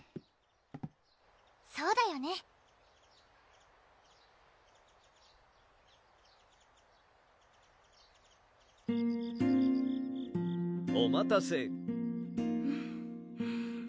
そうだよねお待たせうん！